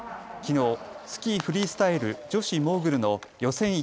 きのうスキーフリースタイル女子モーグルの予選